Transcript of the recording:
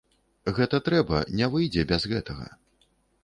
Гэта трэба, не выйдзе без гэтага.